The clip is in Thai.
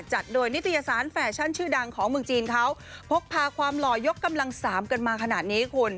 จัดโดยนิตยสารแฟชั่นชื่อดังของเมืองจีนเขาพกพาความหล่อยกกำลังสามกันมาขนาดนี้คุณ